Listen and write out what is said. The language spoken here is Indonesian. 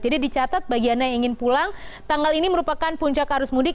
jadi dicatat bagiannya yang ingin pulang tanggal ini merupakan puncak arus mudik